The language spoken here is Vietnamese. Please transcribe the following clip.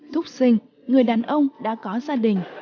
thúc sinh người đàn ông đã có gia đình